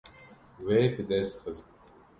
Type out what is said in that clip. Wê bi dest xist.